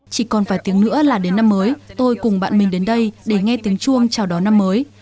chỉ còn vài tiếng nữa là đến năm mới tôi cùng bạn mình đến đây để nghe tiếng chuông chào đón năm mới